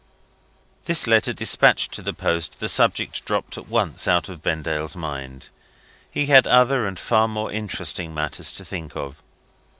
This letter despatched to the post, the subject dropped at once out of Vendale's mind. He had other and far more interesting matters to think of.